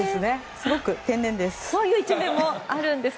すごく天然です。